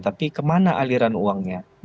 tapi kemana aliran uangnya